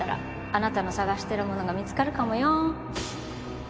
あなたの捜してるものが見つかるかもよ